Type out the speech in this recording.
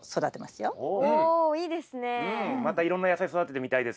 またいろんな野菜育ててみたいです。